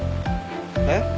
えっ？